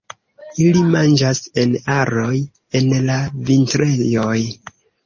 Ili manĝas en aroj en la vintrejoj.